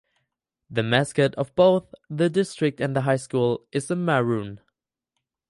The mascot of both the district and the high school is the "Maroon".